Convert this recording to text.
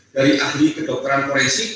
dari ahli kedokteran koreksik